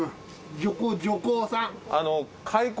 女工さん。